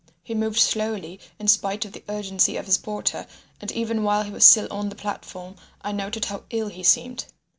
He moved slowly in spite of the urgency of his porter, and even while he was still on the platform I noted how ill he seemed.